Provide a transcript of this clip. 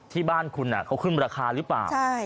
ที่บ้านคุณเขาขึ้นราคาหรือเปล่า